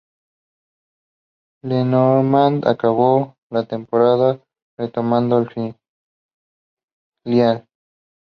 Le Normand acabó la temporada retornando al filial.